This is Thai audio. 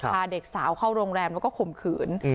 พาเด็กสาวเข้าโรงแรมแล้วก็ข่มขืน